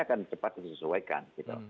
akan cepat disesuaikan